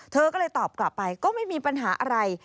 เธอก็เลยตอบกลับไปก็ไม่มีปัญหาอะไร